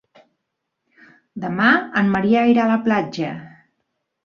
Demà en Maria irà a la platja.